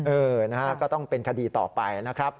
เออนะฮะก็ต้องเป็นคดีต่อไปนะครับ